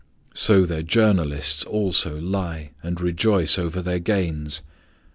So their journalists also lie and rejoice over their gains.